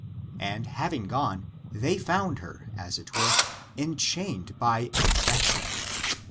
And having gone, they found her, as it were, enchained by affection.